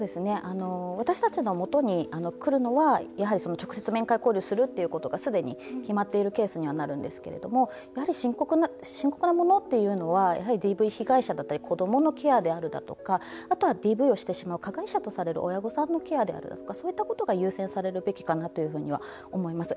私たちのもとにくるのは直接、面会交流をするってことがすでに決まっているケースにはなるんですけれどもやはり深刻なものというのはＤＶ被害者だったり子どものケアであるだとかあとはＤＶをしてしまう加害者とされる親御さんのケアであるだとかそういったことが優先されるべきかなというふうには思います。